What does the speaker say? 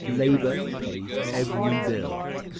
Labor pays every bill.